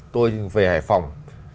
tôi về hải phòng